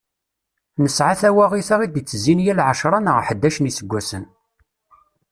Nesεa tawaɣit-a i d-itezzin yal ɛecṛa neɣ ḥdac n yiseggasen.